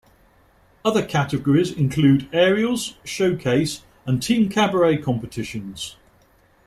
Other categories include Aerials, Showcase, and Team Cabaret competitions.